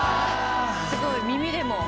すごい耳でも！